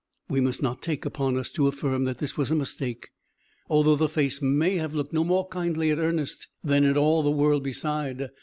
We must not take upon us to affirm that this was a mistake, although the Face may have looked no more kindly at Ernest than at all the world beside.